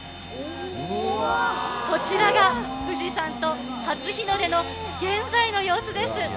こちらが富士山と初日の出の、現在の様子です。